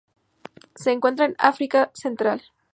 Se encuentra en África central.